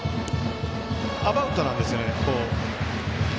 アバウトなんですよね。